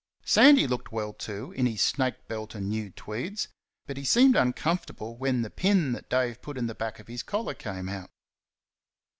Sandy looked well, too, in his snake belt and new tweeds; but he seemed uncomfortable when the pin that Dave put in the back of his collar came out.